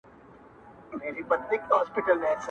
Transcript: • ته چي قدمونو كي چابكه سې.